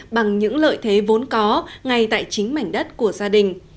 bằng những lợi thế vốn có ngay tại chính mảnh đất của gia đình